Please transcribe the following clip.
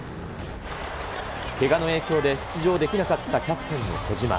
けがの影響で出場できなかったキャプテンの小島。